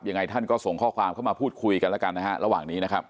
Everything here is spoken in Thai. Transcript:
ยังไงท่านก็ส่งข้อความเข้ามาพูดคุยกันแล้วกันนะฮะระหว่างนี้นะครับ